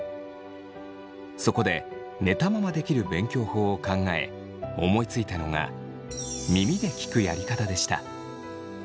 そこで寝たままできる勉強法を考え思いついたのが耳で聞くやり方でした。